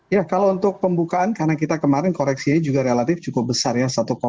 ya kalau untuk pembukaan karena kita kemarin koreksinya juga relatif cukup besar ya